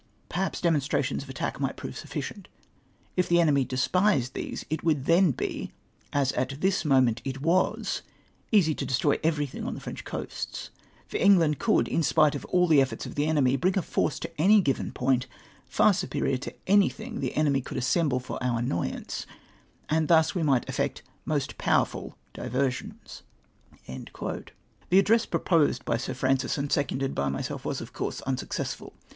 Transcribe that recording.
Perhaps demonstra tions of attack might prove sufficient. If the enemy despised these, it would then be, as at this moment it luas, easy to destroy everything on the French coasts, for England could, in spite of all the efforts of the enemy, being a force to any given point far superior to anything the enemy could assem ble for our annoyance, and thus we might effect most power ful diversions." 220 THE ADDRESS EEJECTED. Tlie address proposed by Sir Francis and seconded by myself was, of coiu'se, inisuccessful.